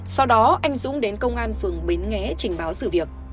sau đó anh dũng đến công an phường bến nghé trình báo sự việc